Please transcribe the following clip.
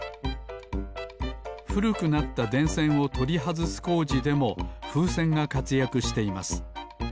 ふるくなったでんせんをとりはずすこうじでもふうせんがかつやくしています。